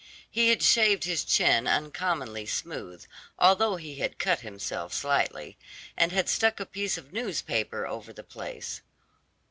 He had shaved his chin uncommonly smooth, although he had cut himself slightly, and had stuck a piece of newspaper over the place.